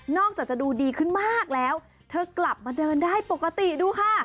อกจากจะดูดีขึ้นมากแล้วเธอกลับมาเดินได้ปกติดูค่ะ